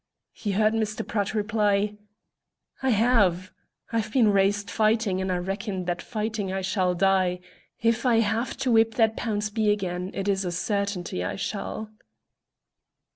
He heard Mr. Pratt reply: "I have. I was raised fighting, and I reckon that fighting I shall die. If I have to whip that Pownceby again it is a certainty I shall."